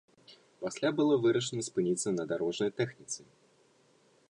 Пасля было вырашана спыніцца на дарожнай тэхніцы.